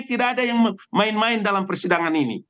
tidak ada yang main main dalam persidangan ini